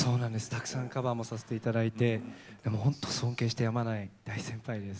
たくさんカバーもさせて頂いてほんと尊敬してやまない大先輩です。